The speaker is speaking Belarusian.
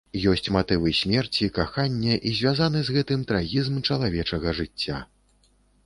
Ёсць матывы смерці, кахання і звязаны з гэтым трагізм чалавечага жыцця.